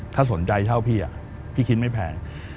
ถ้าสนใจเท่าพี่พี่คิดไม่แพง